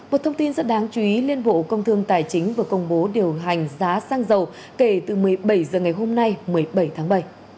một thông tin rất đáng chú ý liên bộ công thương tài chính vừa công bố điều hành giá xăng dầu kể từ một mươi bảy h ngày hôm nay một mươi bảy tháng bảy